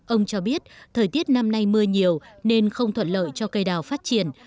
ông cho biết thời tiết năm nay mưa nhiều nên không thuận lợi cho cây đào phát triển